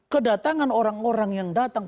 kedatangan orang orang yang datang